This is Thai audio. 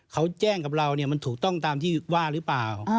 เขาแจ้งกับเรามันถูกต้องตามที่ว่าหรือเปล่า